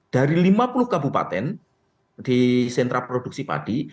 dari lima puluh kabupaten di sentra produksi padi